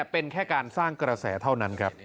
เป็นแค่การสร้างกระแสเท่านั้นครับ